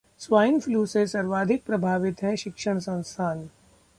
swine flu से सर्वाधिक प्रभावित हैं शिक्षण संस्थान